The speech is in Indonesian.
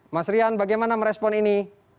mas rian bagaimana merespon ini